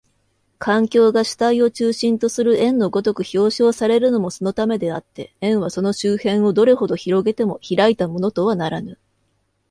環境が主体を中心とする円の如く表象されるのもそのためであって、円はその周辺をどれほど拡げても開いたものとはならぬ。